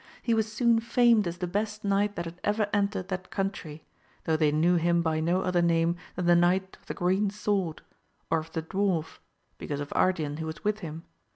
he was soon famed as the best knight that had ever entered that country, though they knew him by no other name than the Knight of the Green Sword, or of the dwarf, because of Ardian who was with him